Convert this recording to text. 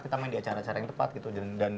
kita main di acara acara yang tepat gitu dan